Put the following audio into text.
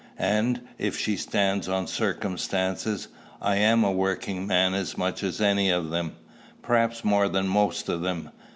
And, if she stands on circumstances, I am a working man as much as any of them perhaps more than most of them.